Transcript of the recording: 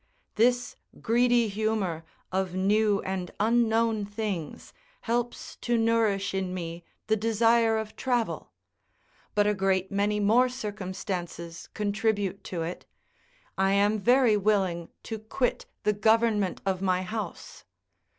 This greedy humour of new and unknown things helps to nourish in me the desire of travel; but a great many more circumstances contribute to it; I am very willing to quit the government of my house.